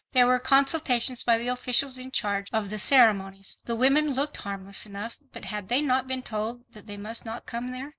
There were consultations by the officials in charge of the ceremonies. The women looked harmless enough, but had they not been told that they must not come there?